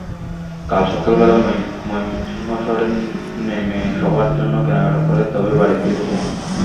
কাল সকালবেলা ময়মনসিংহ শহরে নেমে সবার জন্য কেনাকাটা করে তবেই বাড়ি ফিরবে সে।